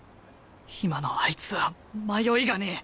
今のあいつは迷いがねえ。